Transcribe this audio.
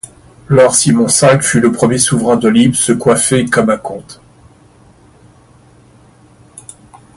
Lord Simon V fut le premier souverain de Lippe se coiffer comme un comte.